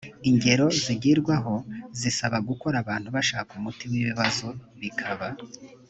ingero zigirwaho zisaba gukora abantu bashaka umuti w ibibazo bikaba